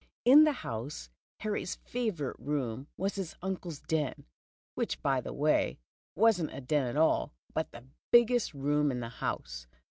In the house Harry's favorite room was his uncle's " den," which by the way was n't a den at all, but the biggest room in the house.